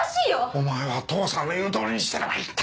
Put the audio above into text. お前は父さんの言うとおりにしてればいいんだ！